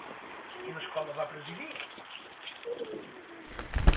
Quina escola va presidir?